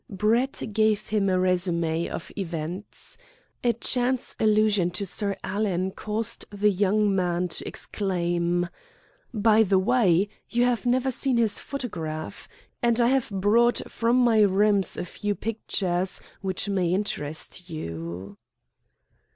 Brett gave him a resumé of events. A chance allusion to Sir Alan caused the young man to exclaim: "By the way, you have never seen his photograph. He and I were very much alike, you know, and I have brought from my rooms a few pictures which may interest you."